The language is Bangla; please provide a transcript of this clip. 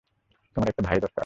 তোমার একটা ভাই দরকার।